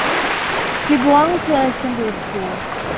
He belonged to the Symbolist school.